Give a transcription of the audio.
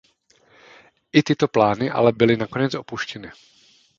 I tyto plány ale byly nakonec opuštěny.